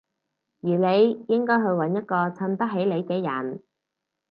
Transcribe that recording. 而你應該去搵一個襯得起你嘅人